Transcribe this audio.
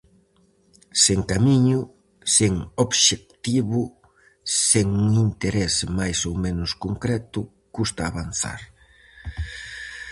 Sen camiño, sen obxectivo, sen un interese máis ou menos concreto, custa avanzar.